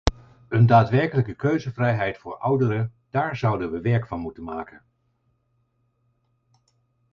Een daadwerkelijke keuzevrijheid voor ouderen, daar zouden we werk van moeten maken.